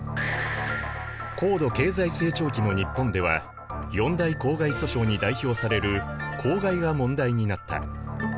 高度経済成長期の日本では四大公害訴訟に代表される公害が問題になった。